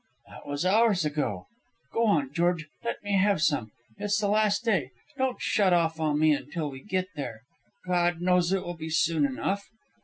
"That was hours ago. Go on, George, let me have some. It's the last day. Don't shut off on me until we get there God knows it will be soon enough."